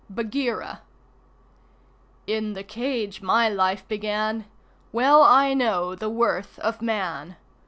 Bagheera In the cage my life began; Well I know the worth of Man.